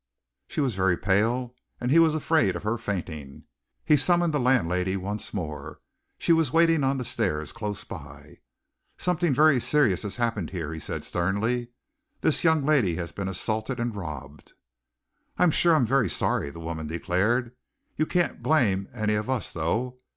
She was very pale, and he was afraid of her fainting. He summoned the landlady once more. She was waiting on the stairs close by. "Something very serious has happened here," he said, sternly. "This young lady has been assaulted and robbed." "I'm sure I'm very sorry," the woman declared. "You can't blame any of us, though.